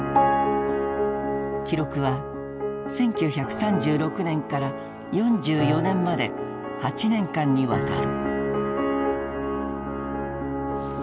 記録は１９３６年から４４年まで８年間に渡る。